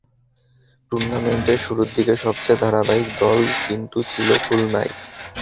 টুর্নামেন্টের শুরুর দিকে সবচেয়ে ধারাবাহিক দল কিন্তু ছিল খুলনাই।